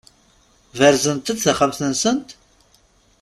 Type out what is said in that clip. Berzent-d taxxamt-nsent?